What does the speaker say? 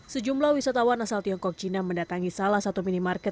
sejumlah wisatawan asal tiongkok china mendatangi salah satu minimarket